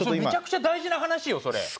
めちゃくちゃ大事な話よそれ。